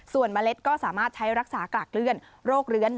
ส่วนเมล็ดก็สามารถใช้รักษากลากเลื่อนโรคเลื้อน